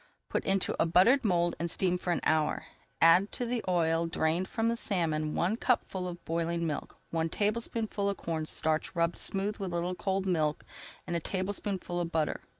Put into a buttered mould and steam for an hour. Add to the oil drained from the salmon one cupful of boiling milk, one tablespoonful of cornstarch rubbed smooth in a little cold milk, and a tablespoonful of butter.